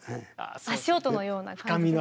足音のような感じですか。